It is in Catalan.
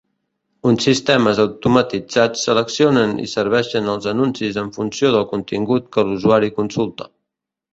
Uns sistemes automatitzats seleccionen i serveixen els anuncis en funció del contingut que l'usuari consulta.